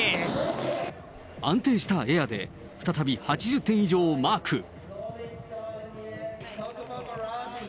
安定したエアで、再び８０点以上をマーク。